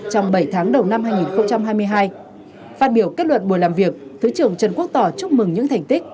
trong bảy tháng đầu năm hai nghìn hai mươi hai phát biểu kết luận buổi làm việc thứ trưởng trần quốc tỏ chúc mừng những thành tích